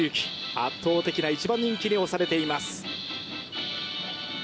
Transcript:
圧倒的な１番人気に押されています。